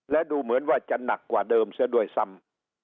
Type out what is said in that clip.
และดูเหมือนว่าจะหนักกว่าเดิมซะด้วยซ้ำ